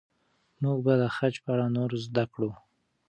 موږ به د خج په اړه نور زده کړو.